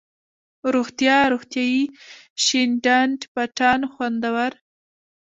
روغتيا، روغتیایي ،شين ډنډ، پټان ، خوندور،